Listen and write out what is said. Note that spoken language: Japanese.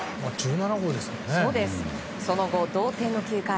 その後、同点の９回。